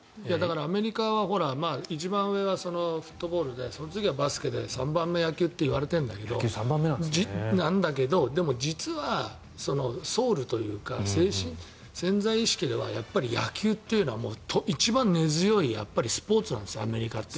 アメリカは一番上はフットボールでその次がバスケで３番目が野球といわれてるんだけどでも実は、ソウルというか潜在意識ではやっぱり野球というのはもう一番根強いスポーツなんですアメリカって。